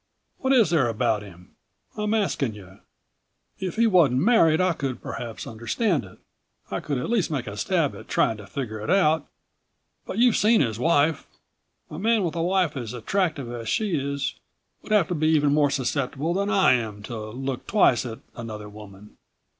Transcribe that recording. What is there about him? I'm asking you. If he wasn't married I could perhaps understand it. I could at least make a stab at trying to figure it out. But you've seen his wife. A man with a wife as attractive as she is would have to be even more susceptible than I am to look twice at another woman.